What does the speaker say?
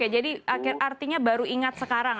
jadi akhir artinya baru ingat sekarang